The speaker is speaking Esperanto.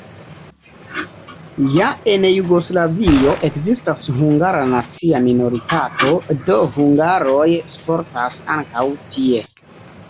Ja en Jugoslavio ekzistas hungara nacia minoritato, do, hungaroj sportas ankaŭ tie.